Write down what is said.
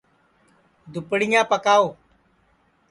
دُپڑِیاں پکاؤ